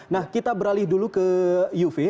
nah kita beralih dulu ke juve